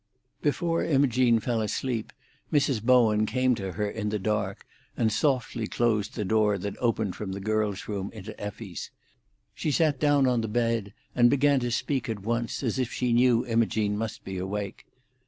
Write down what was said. Before Imogene fell asleep, Mrs. Bowen came to her in the dark, and softly closed the door that opened from the girl's room into Effie's. She sat down on the bed, and began to speak at once, as if she knew Imogene must be awake.